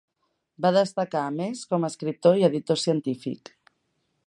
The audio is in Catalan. Va destacar, a més, com escriptor i editor científic.